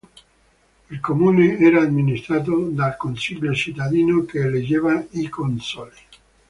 Il comune era amministrato dal Consiglio cittadino che eleggeva i consoli.